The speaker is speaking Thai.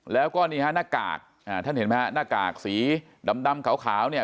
แล้วก็นี่ฮะหน้ากากท่านเห็นไหมฮะหน้ากากสีดำขาวเนี่ย